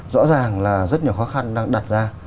rõ ràng là rất nhiều khó khăn đang đặt ra